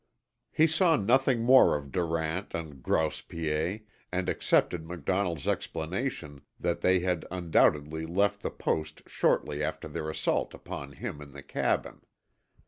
He saw nothing more of Durant and Grouse Piet, and accepted MacDonnell's explanation that they had undoubtedly left the Post shortly after their assault upon him in the cabin.